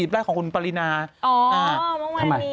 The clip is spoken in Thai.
๔๐แรกของคุณปริณาอ๋อทำไม